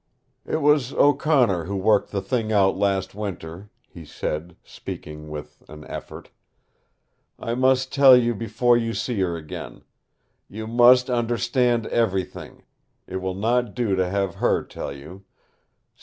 "It was O'Connor who worked the thing out last Winter," he said, speaking with, an effort. "I must tell you before you see her again. You must understand everything. It will not do to have her tell you.